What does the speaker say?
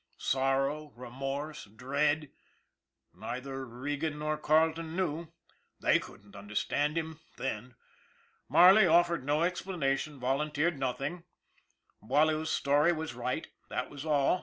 Sorrow, remorse, dread neither Regan nor Carleton knew. They couldn't understand him then. Marley offered no explanation, volunteered nothing. Boileau's story was right that was all.